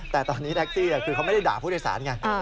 แต่ตอนนี้แท็กซี่คือเขาไม่ได้ด่าผู้โดยสารไง